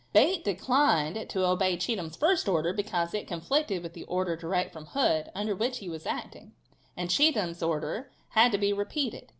Bate declined to obey Cheatham's first order because it conflicted with the order direct from Hood, under which he was acting, and Cheatham's order had to be repeated.